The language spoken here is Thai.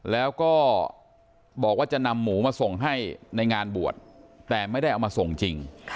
แล้วก็บอกว่าจะนำหมูมาส่งให้ในงานบวชแต่ไม่ได้เอามาส่งจริง